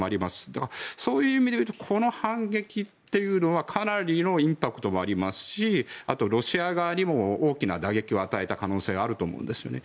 だから、そういう意味で言うとこの反撃というのはかなりのインパクトもありますしあと、ロシア側にも大きな打撃を与えた可能性があると思うんですよね。